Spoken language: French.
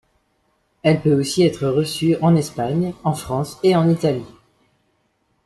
Elle peut aussi être reçue en Espagne, en France et en Italie.